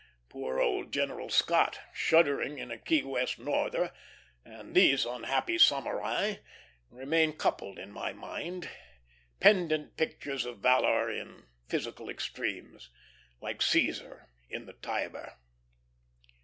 Poor old General Scott shuddering in a Key West norther, and these unhappy samurai, remain coupled in my mind; pendant pictures of valor in physical extremes, like Cæsar in the Tiber.